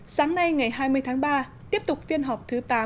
sáng nay ngày hai mươi tháng ba tiếp tục phiên họp thứ tám